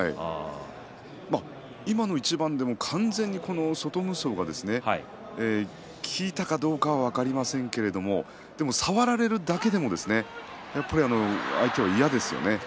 今の一番でも完全に外無双が効いたかどうか分かりませんが触られるだけでも相手は嫌ですよね。